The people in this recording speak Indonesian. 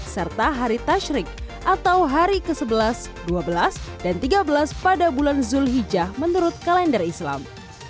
serta hari tashrik atau hari ke sebelas dua belas dan tiga belas pada bulan zulhijjah menurut kalender islam